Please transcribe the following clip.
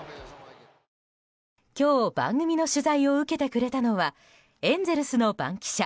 今日、番組の取材を受けてくれたのはエンゼルスの番記者